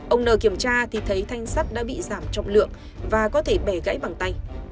ông nờ kiểm tra thì thấy thanh sắt đã bị giảm trọng lượng và có thể bẻ gãy bằng tay